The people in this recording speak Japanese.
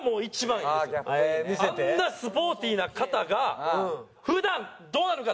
あんなスポーティーな方が普段どうなのか。